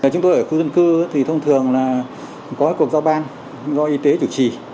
chúng tôi ở khu dân cư thì thông thường là có cuộc giao ban do y tế chủ trì